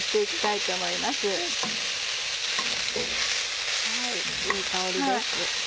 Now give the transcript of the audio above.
いい香りです。